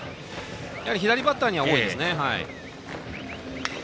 左バッターには多いですね。